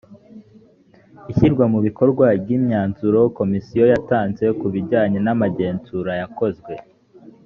ishyirwa mu bikorwa ry imyanzuro komisiyo yatanze ku bijyanye n amagenzura yakozwe